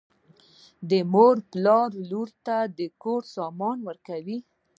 مور او پلار لور ته د کور سامان ورکوي.